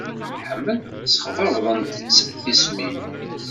Ḥmed ssexbabḍent-t tismin.